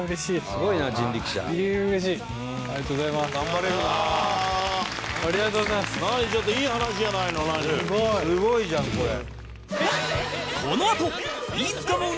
すごいじゃんこれ。